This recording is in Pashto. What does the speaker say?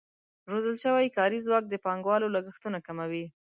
روزل شوی کاري ځواک د پانګوالو لګښتونه کموي.